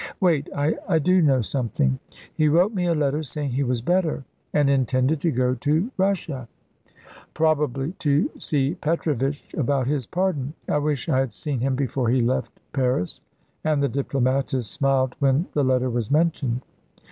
Wait I do know something. He wrote me a letter saying he was better and intended to go to Russia." "Probably to see Petrovitch about his pardon. I wish I had seen him before he left Paris"; and the diplomatist smiled when the letter was mentioned.